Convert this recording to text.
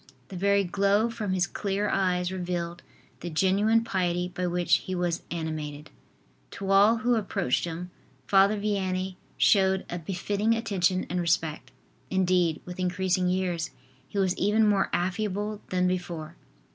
The very glow from his clear eyes revealed the genuine piety by which he was animated. To all who approached him, Father Vianney showed a befitting attention and respect. Indeed, with increasing years, he was even more affable than before.